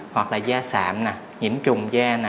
hoặc là da sạm nhịn trùng da